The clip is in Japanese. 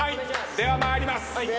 では参ります。